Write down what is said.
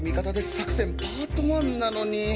作戦パート１なのに。